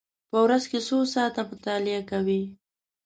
په ورځ کې څو ساعته مطالعه کوئ؟